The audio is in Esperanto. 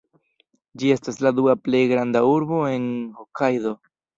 Ĝi estas la dua plej granda urbo en Hokajdo.